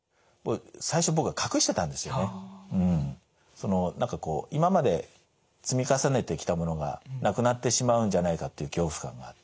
その何かこう今まで積み重ねてきたものがなくなってしまうんじゃないかっていう恐怖感があって。